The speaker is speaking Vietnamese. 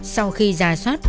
sau khi ra soát